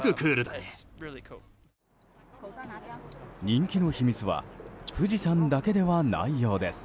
人気の秘密は富士山だけではないようです。